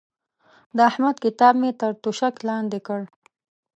د احمد کتاب مې تر توشک لاندې کړ.